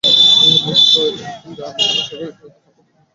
নিহত ইরান বরিশাল সরকারি সৈয়দ হাতেম আলী কলেজের দ্বাদশ শ্রেণির ছাত্র ছিল।